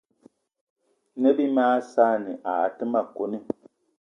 Ne bí mag saanì aa té ma kone.